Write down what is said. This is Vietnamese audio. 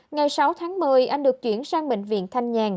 ngày sáu tháng một mươi anh được chuyển sang bệnh viện thanh nhàn